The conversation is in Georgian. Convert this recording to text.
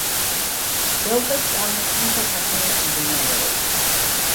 დელტებს წარმოქმნის საქართველოს მდინარეებიც.